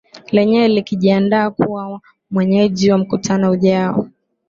lenyewe likijiandaa kuwa mwenyeji wa mkutano ujao